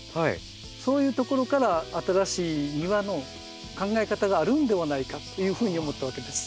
そういうところから新しい庭の考え方があるんではないかっていうふうに思ったわけです。